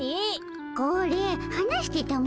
これはなしてたも。